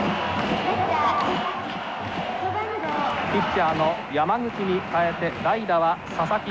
ピッチャーの山口に代えて代打は佐々木。